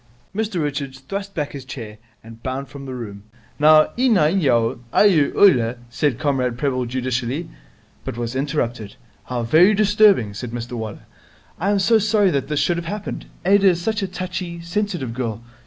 Mr Richards thrust back his chair and bounded from the room. 'Now, iawinyaw, iear oiler ' said Comrade Prebble judicially, but was interrupted. 'How very disturbing!' said Mr Waller. 'I am so sorry that this should have happened. Ada is such a touchy, sensitive girl.